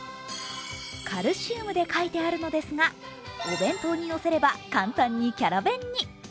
カルシウムで書いているのですが、お弁当にのせれば簡単にキャラ弁に。